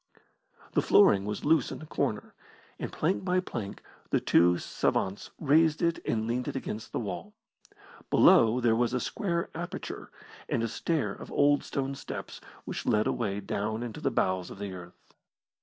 The flooring was loose in the corner, and plank by plank the two savants raised it and leaned it against the wall. Below there was a square aperture and a stair of old stone steps which led away down into the bowels of the earth.